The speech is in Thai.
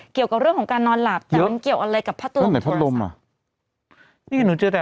เกี่ยวกับเรื่องของการนอนหลับแต่มันเกี่ยวอะไรกับพัดลมโทรศัพท์